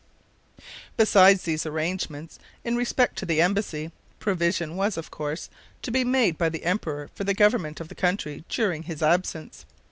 Besides these arrangements in respect to the embassy, provision was, of course, to be made by the emperor for the government of the country during his absence.